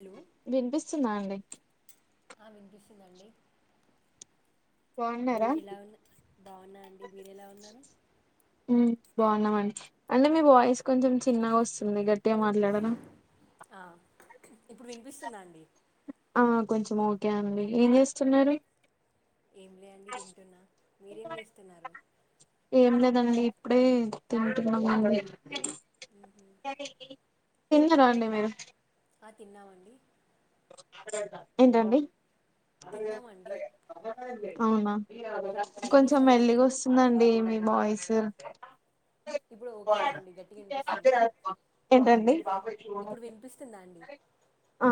Hello వినిపిస్తుందా అండి ఆ వినిపిస్తుందండి బాగున్నారా ఎలా ఉన్నా బాగున్నా అండి మీరు ఎలా ఉన్నారు ఉమ్ బాగున్నామండి అంటే మీ వాయిస్ కొంచెం చిన్నగా వస్తుంది గట్టిగా మాట్లాడరా ఆ ఇప్పుడు వినిపిస్తుందా అండి ఆ కొంచెం ఓకే అండి ఏం చేస్తున్నారు ఏం లే అండి తింటున్నా మీరేం చేస్తున్నారు ఏం లేదండి ఇప్పుడే తింటున్నామండి డాడీ కి తిన్నారా అండి మీరు ఆ తిన్నామండి ఏంటండి అరగ తిన్నామండి అరగ అవునా మ్, ఏం కొంచెం చేశారు ఈరోజు మెల్లిగా వస్తుందండి మీ వాయిస్ సర్ ఇప్పుడు ఓకేనా అండి గట్టిగా వినిపిస్తుందా ఏంటండి ఇప్పుడు వినిపిస్తుందా అండి ఆ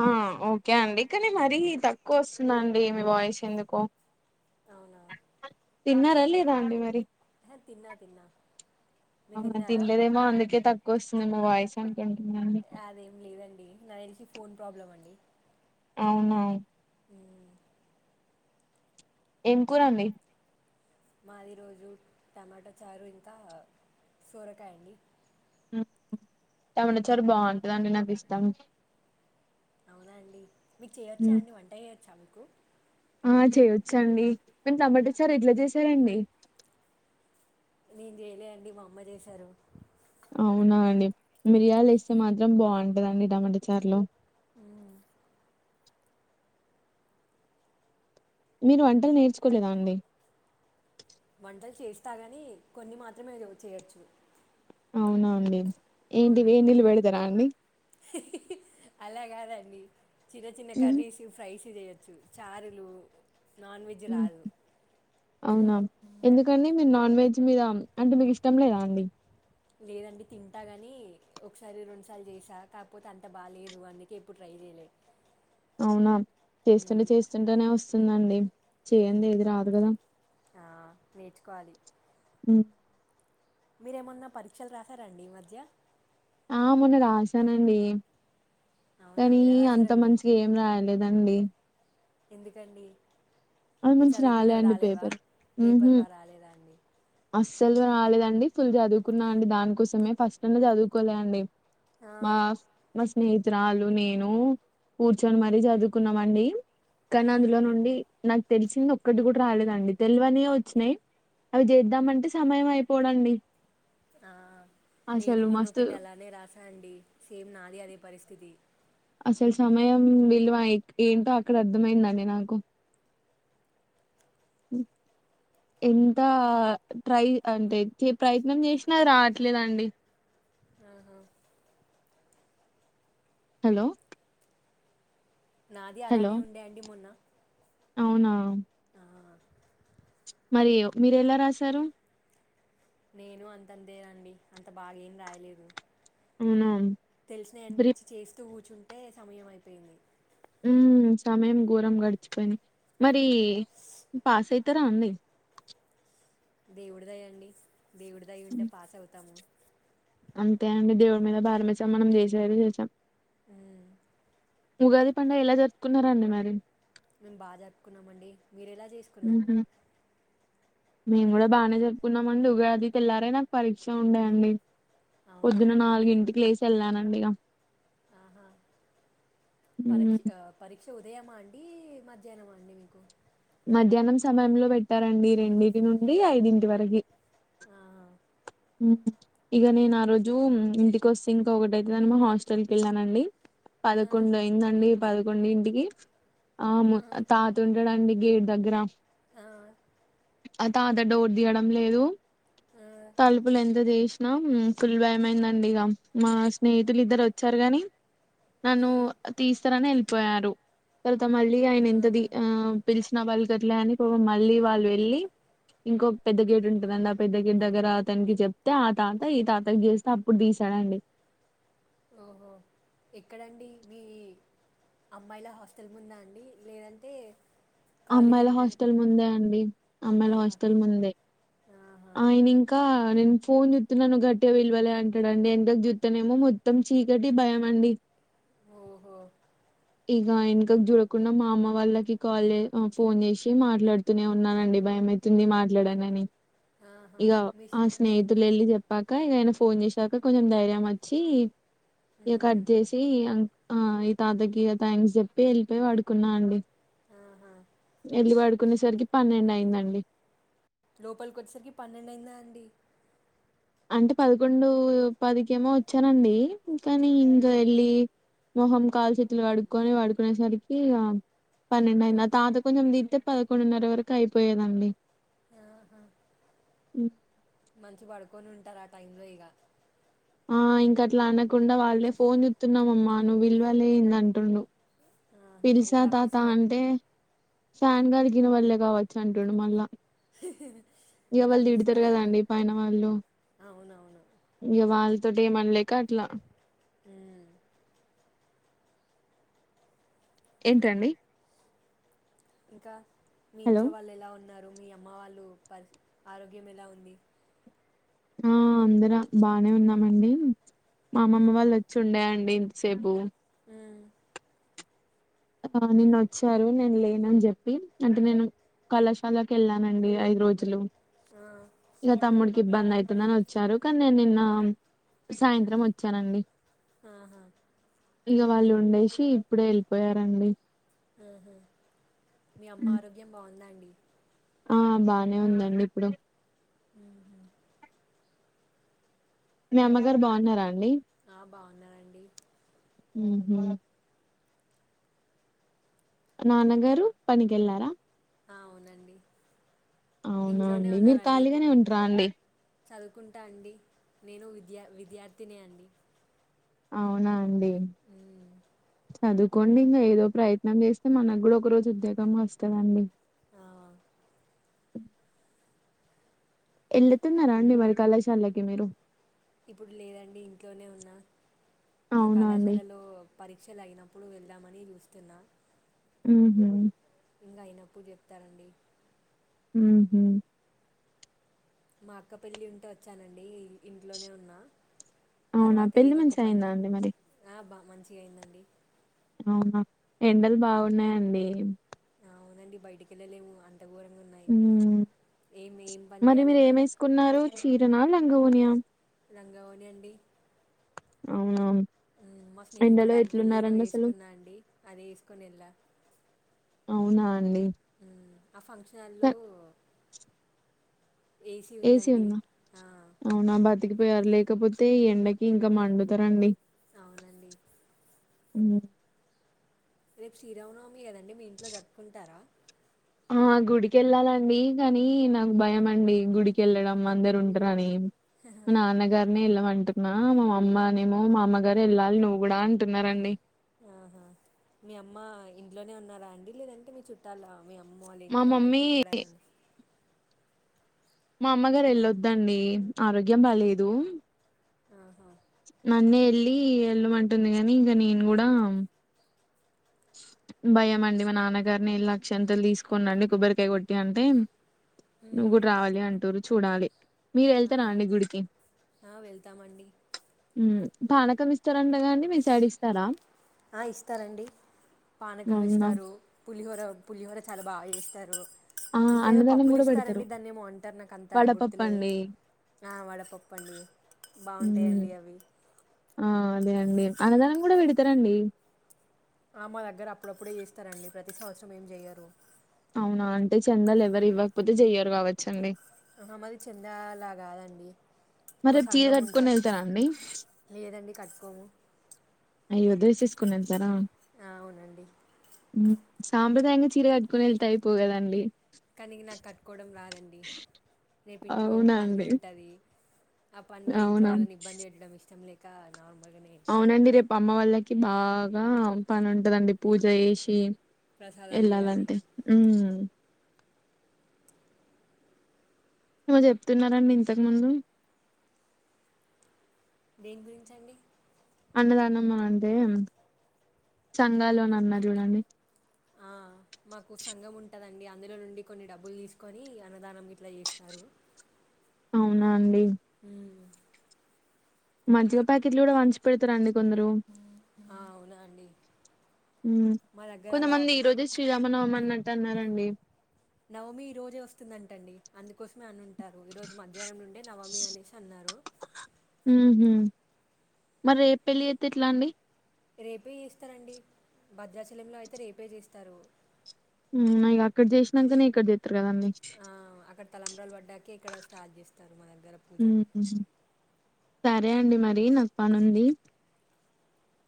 ఓకే అండి కానీ మరీ తక్కువ వస్తుందండి మీ వాయిస్ ఎందుకో అవునా తిన్నార లేదా అండి మరి హు తిన్నా తిన్నా మీరు అవున తిన్నారా తినలేదేమో అందుకే తక్కువ వస్తుంది మీ వాయిస్ అను కొంతమంది నాకు తెలిసి ఫోన్ ప్రాబ్లం అండి అవును అవును ఏం కూర అండి మాది ఈరోజు టమాటా చారు ఇంకా సొరకాయ అండి టమాట చారు బాగుంటది నాకు ఇష్టం అవునా అండి మీకు చేయొచ్చా ఉమ్. అండివంట చేయచ్చా కు ఆ చేయొచ్చ అండి మేము టమాటసారు ఎట్లా చేసారండి నేను చేయలే అండి మా అమ్మ చేశారు అవునా అండి మిరియాలు వేస్తే మాత్రం బాగుంటదండి టమాట చారులో ఉ మీరు వంటలు నేర్చుకోలేదా అండి వంటలు చేస్తా గాని కొన్ని మాత్రమే చేయొచ్చు అవున అండి ఏంటి వేడి నీళ్లు పెడతరా అండి అలా కాదండి చిన్న చిన్న ఉమ్. కర్రీసి ఫ్రైస్ చేయొచ్చు చారులు నాన్ వెజ్ రాదు అవునా ఎందుకండి మీరు నాన్ వెజ్ మ మీద అంటే మీకు ఇష్టం లేదా అండి లేదండి తింటా కానీ ఒకసారి రెండుసార్లు చేసా కాకపోతే అంత బాగాలేదు అందుకే ఎప్పుడు ట్రై చేయలే అవునా చేస్తుంటే మ్మ్, చేస్తుంటేనే వస్తుందండి చేయందే మ్మ్. ఏది రాదు కదా ఆ, నేర్చుకోవాలి మీరేమన్నా పరీక్షలు రాసారండి ఈ మధ్య ఆ మొన్న రాశానండి అవునా కానీ ఎలా అంత రాశారండి మంచిగా ఏం రాయలేదండి ఎందుకండి అది మీ మంచి రాలే చదువుకున్నవి అండి రాలేవా పేపర్ పేపర్ బా రాలేదా అండి అసల్ రాలేదండి ఫుల్ చదువుకున్నా అండి దానికోసమే ఫస్ట్ వి చదువుకోలే అండి ఆ మాస్ మస్ స్నేహత్రరాలు నేను కూర్చొని మరీ చదువుకున్నామండి కాన్ అందులో నుండి నాకు తెలిసింది ఒక్కటి కూడా రాలేదండి తెల్వనివే వచ్చినాయ్ అవి చేద్దామంటే సమయం అయిపోడండి ఆ నేను మొన్న మస్తు ఒకటి అలానే రాసా అండి సేమ్ నాది అదే పరిస్థితి అసలు సమయం విలువ ఏంటో అక్కడ అర్థమైందండి నాకు ఎంత ట్రై అంటే ప్రయత్నం చేసినా రావట్లేదండి ఆహా హలో నాది హలో అలానే ఉండే అండి మొన్న అవునా ఆ మరి మీరు ఎలా రాశారు నేను అంతంతేనండి అంత బాగెం రాయలేదు అవునా తెలిసినయ్ బ్రి అనిపించి చేస్తూ కూచ్ కూర్చుంటే సమయం అయిపోయింది ఉమ్ సమయం ఘోరం గడిచిపోయింది మరి పాస్ అయిత్ అయితర అండి దేవుడిదయండి దేవుడి దయ ఉంటే పాస్ అవుతాము అంతే అండి దేవుడి మీద భారం వేసాం మనం చేసేది చేసాం మ్మ్ ఉగాది పండగ ఎలా జరుపుకున్నారండి మరి మేము బా జరుపుకున్నామండి మీరెలా చేసుకున్నారు మ్మ్ మేము కూడా బానే జరుపుకున్నామండి ఉగాది తెల్లారే నాకు పరీక్ష ఉండేయండి అవునా పొద్దున నాలుగు ఇంటికి లేసి వెళ్ళనండి ఇగా ఆహా పరీక్ష మ్మ్. అ పరీక్ష ఉ ఉదయమా అండి మధ్యానమా అండి మీకు మధ్యానం సమయంలో పెట్ పెట్టారండి రెండిటి నుండి ఐదింటి వరికి ఆ ఇగ నేను ఆ రోజు ఇంటికొస్తే ఇంకోటి అయితది అని మా హాస్టల్ కి వెళ్ళానండి ఆ పదకొండు అయిందండి పదకొండింటికి ఆ ము-తాతుంటాడండి గేట్ దగ్గరా ఆ అ తాత డోర్ తీియడం లేదు ఆ తలుపులు ఎందుకుతీసు ఫుల్ భయం అయిందండి ఇగా మా స్నేహితులు ఇద్దరు వచ్చారు గాని నను తీస్తారనే ఎల్ప్ పోయారు మళ్ళీ ఆయన ఎంతతి ఆ పిలిచిన పల్క్ ట్లే అని ఒక మళ్ళీ వాళ్ళు వెళ్ళి ఇంకో పెద్ద గేటు ఉంటుందండి ఆ పెద్ద గేటు దగ్గర అతనికి చెప్తే ఆ తాత ఈ తాత చేస్తే అప్పుడు తీసాడండి ఓహో ఎక్కడండి మీ అమ్మాయిల హాస్టల్ ముంద అండి లేదంటే కాలేజ్ అమ్మాయిల ఎంట్రన్ హాస్టల్ ముందే అండి అమ్మాయిల హాస్టల్ ముందే ఆహా ఆయన ఇంకా నేను ఫోన్ చూస్తున్నాను గట్టిగా విలవాలి అంటాడుండి ఎంతకు చూతానేమో మొత్తం చీకటి భయం అండి ఓహో ఇక ఎనకకి చూడకుండా మా అమ్మ వాళ్ళకి కాల్ చే ఫోన్ చేసి మాట్లాడుతూనే ఉన్నానండి భయమైతుంది మాట్లాడండి అని ఆహా ఇగా మిస్ ఆ మిస్ స్నేహితులు వెళ్ళి చెప్పక ఇక ఆయన ఫోన్ చేసాక కొంచెం ధైర్యం వచ్చి ఇగ కట్ చేసి ఆ అయితేా అదగ థ్యాంక్స్ చెప్పి వెళ్ళిపోయి పడుకున్నా అండి ఆహా ఎలి వాడుకి కునేసరికి పన్నెండు అయిందండి లోపలికి వచ్చేసరికి పన్నెండయిందా అండి? అంటే పదకొండు పదికేమో వచ్చానండి కానీ ఇంకా వెళ్ళి మొహం కాలు చేతులు కడుకునే పడుకునేసరికి ఇగ పన్నెండు అయింది అ తాత కొంచం తీతే పదకొండున్నర వరకు అయిపోయేదండి ఆహా మంచి పడుకు కొని ఉంటారు ఆ టైంలో ఇక ఆ ఇంకా అట్లా అన్న కుండా వాళ్ళే ఫోన్ చ్చుతున్నామమ్మా నువ్ పిల్వలేంద అంటుడు ఆహా ఇక పిల్సా తాత తప్పించుకో అంటే ఫాన్ గాలికి వినపల్లె కావచ్చు అంటుడు మళ్ళా ఇక వాళ్ళు తిడుతారు తప్పించుకోవడానికి కదాండి పైన వాళ్ళు అవునవును ఇక వాళ్ళతో ఏ మన్లె క కట్లా ఏంటండి ఇంకా మీ హలో ఇంట్లో వాళ్ళు ఎలా ఉన్నారు మీ అమ్మ వాళ్ళు పరి ఆరోగ్యం ఎలా ఉంది ఆ అందరం బానే ఉన్నామండి మా అమ్మమ్మ వాళ్ళు వచ్చి ఉండేయండి ఇంతసేపు మ్మ్, ఆ నిన్న వచ్చారు నేను లేనని చెప్పి అంటే నేను కళాశాలకి వెళ్ళానండి ఐదు రోజులు ఆ, ఇక తమ్ముడికి ఇబ్బంది అయితుందని వచ్చారు కానీ నేను నిన్న సాయంత్రం వచ్చానండి ఆహా ఇక వాళ్ళు ఉండేసి ఇప్పుడే వెళ్ళిపోయారండి ఆహ మీ అమ్మ ఆరోగ్యం బాగుందా అండి ఆ బానే ఉందండి ఇప్పుడు ఆ మీ అమ్మగారు బాగున్నారా అండి ఆ బాగున్నారండి ఉహు నాన్నగారు పనికెళ్లారా ఆ, అవునండి అవునా ఇంట్లోనే అండి మీరు ఉన్నారండి ఖాళీగానే ఉంటార అండి చదువుకుంటా అండి నేను విద్యా విద్యార్థినే అండి అవునా అండి అ చదువుకోండి ఇంకా ఏదో ప్రయత్నం చేస్తే మనకు కూడా ఒక రోజు ఉద్యోగం వస్తదండి ఆ వెళ్ళుతున్నారా అండి మరి కళాశాలకి మీరు ఇప్పుడు లేదండి ఇంట్లోనే ఉన్నా మా అవునా అండి కళాశాలలో పరీక్షలు అయిన అప్పుడు వెళ్దామని చూస్తున్నా ఉహ ఇంకా అయినప్పుడు చెప్తారండి ఉహు మా అక్కపెళ్లి ఉంటే వచ్చానండి ఇంట్లోనే ఉన్నా అవునా తర్వాత పెళ్ళి ఏదో ఒక మంచిగ పని అయిదా అండి మరి బా మంచిగా అయిందండి అవునా ఎండలు బాగున్నాయండి అవునండి బయటికెళ్ళలేము అ ఉ ఏం పని మరి మీరు చేయాలన్నా ఏమేసుకున్నారు చీరన లే లంగావోనీ ఆ లంగావోనీ అండి అవున మా స్నేహితురాలు పెళ్ళిలో అసలు వేసుకున్నా అండి అది వేసుకొని వెళ్లాను అవునా అండి హ ఆ ఫంక్షన్లో క ఏసీ ఉందా ఆ, అవునా బత్ తికిపోయారు లేకపోతే ఈ ఎండకి ఇంకా మండుతరండి అవునండి హుం రేపు శ్రీరామనవమి కదండి మీ ఇంట్లో జరుపుకుంటారా ఆ గుడికి వెళ్ళాలండి కానీ నాకు భయం అండి గుడికి వెళ్ళడం అందరు ఉంటారని మా నాన్నగారని వెళ్ళమంటున్నా మా మామ్మన్ ఏమో మా అమ్మగారు వెళ్ళాలి నువ్వు కూడా అంటున్నారండి ఆహా మీ అమ్మ ఇంట్లోనే ఉన్నారా అండి లేదంటే మీ చుట్టాల మీ అమ్మమ్మ వాళ్ళ మా ఇంట్లో మమ్మీ ఎక్కడైనా ఉ మా అమ్మ గారేళ్ళొద్దండి ఆరోగ్యం బాలేేదు ఆహా నన్నే వెళ్ళి వెళ్ళమంటుంది కాని ఇంకా నేను కూడా భయం అండి మా నాన్నగారినే ఎల్లి అక్ష్యంతలు తీసుకొనిరండి కొబ్బరికాయ కొట్టి అంటే నువ్వు కూడా రావాలి అంటుర్రు చూడాలి మీరు వెళ్తారా ఆహా అండి గుడికి ఆ వెళ్తామండి హు పానకం ఇస్తార్ ండగా అండి మీ సైడ్ ఇస్తారా ఆ ఇస్తారండి పానకం అవునా ఇస్తారు పులిహోర పులిహోర చాలా బాగా చేేస్తారు ఆ ఇంకేదో అన్నదానం పప్పులు కూడా ఇస్తారండి పెడతారు దాన్న ఏమో అంటారు నాకు అంత గుర్తులేదు వడపప్పండి. ఆ వడపప్పు అండి హ్మ్. బాగుంటాయండి అవి ఆ! అదే అండి అన్నదానం కూడా పెడతారండి ఆ మా దగ్గర అప్పుడప్పుడే చేస్తారండి ప్రతి సంవత్సరం ఏం చెయ్యరు అవునా అంటే చెందలు ఎవరు ఇవ్వకపోతే చెయ్యరు కావచ్చండి అ మది చెందలాగాదండి మరి ఒక రేపు చీర సంఘం గట్టుకొని ఉంటారు ఎళ్తారా అండి? లేదండి కట్ అయ్యో డ్రెస్ ఏసుకొనేళ్తారా ఆ అవునండి హు సాంప్రదాయంగా చీర కట్టుకొని వెళ్తే అయిపోవ్ కదండి కానీ ఇగ నాకు కట్టుకోవడం రాదండి రేపు ఇంట్లో అవునా అండి? పనుంటది ఆ పనిలో ఇంట్లో అవునా? వాళ్ళని ఇబ్బంది పెట్టడం ఇష్టం లెద్ తార్ నర్మాల్గానే అవునండి. రేపు అమ్మ వాళ్ళకి బాగా పని ఉంటందండి పూజ చేసి ప్రసాదాలు చేయాలి ఎల్లాలంటే హుం ఏమో చెప్తున్నారండి ఇంతకు ముందు? దేని గురించండి? అన్నదానమా అంటే సంఘలోనన్నారు చూడండి. ఆ మాకు సంఘం ఉంటదండి, అందులో నుండి కొన్ని డబ్బులు తీసుకొని అన్నదానం గిట్లా చేస్తారు. అవునా అండి. ఉమ్ మజ్జిగ ప్యాకెట్లు కూడా పంచి పెడతరా అండి. కొందరు, ఆ, అవునా అండి మా దగ్గర అలా కొంతమంది ఈరోజు శ్రీరామనవమి అన్ న్నట్టు అన్నారండి. నవమి ఈ రోజే వస్తుందంటండి, అందుకోసమే అనుం అంటారు ఈ రోజు మధ్యాహ్నం నుండి నవమి అనేసి అన్నారు. ఉహు. మరి రేపు పెళ్ళి చేత్తే ఎట్లా అండి? రేపే చేస్తారండి భద్రాచలంలో అయితే రేపే చేస్తరు. ఉమ్ ఇగ అక్కడ చేసినంకనే ఇక్కడ చేస్ ఆ అక్కడ తలంబ్రాలు పడ్డాక ఇక్కడ స్టార్ట్ చేస్తారు, మా దగ్గర పూజ ఉమ్. సరే అండి మరి నాకు పని ఉంది.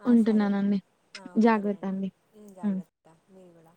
ఆ సరే అండి, ఉంటున్నానండి ఆ సరే అండి. ఉమ్ జాగ్రత్త మీరు కూడా.